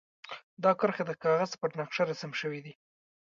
دا کرښې د کاغذ پر نقشه رسم شوي دي.